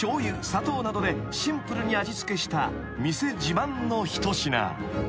砂糖などでシンプルに味付けした店自慢の一品］